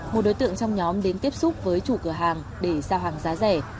một đối tượng trong nhóm đến tiếp xúc với chủ cửa hàng để giao hàng giá rẻ